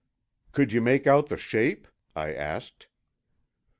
"Could you make out the shape?" I asked.